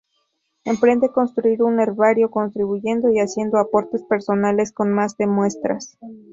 Emprende constituir un herbario contribuyendo y haciendo aportes personales con más de muestras.